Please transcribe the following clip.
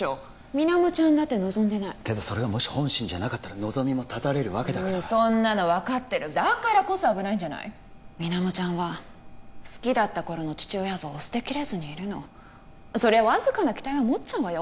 水面ちゃんだって望んでないけどそれがもし本心じゃなかったら望みもたたれるわけだからそんなの分かってるだからこそ危ないんじゃない水面ちゃんは好きだった頃の父親像を捨てきれずにいるのそりゃわずかな期待は持っちゃうわよ